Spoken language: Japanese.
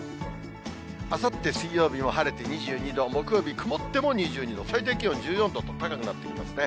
あさって水曜日も晴れて２２度、木曜日、曇っても２２度、最低気温１４度と高くなっていますね。